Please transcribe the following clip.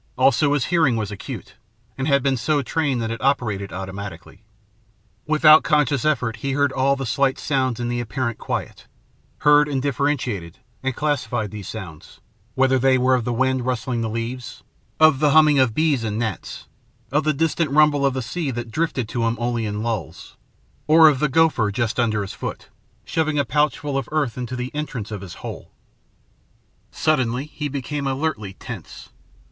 Also, his hearing was acute, and had been so trained that it operated automatically. Without conscious effort, he heard all the slight sounds in the apparent quiet heard, and differentiated, and classified these sounds whether they were of the wind rustling the leaves, of the humming of bees and gnats, of the distant rumble of the sea that drifted to him only in lulls, or of the gopher, just under his foot, shoving a pouchful of earth into the entrance of his hole. Suddenly he became alertly tense.